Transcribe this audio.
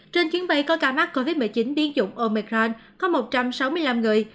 trên chuyến bay có ca mắc covid một mươi chín tiến dụng omicrand có một trăm sáu mươi năm người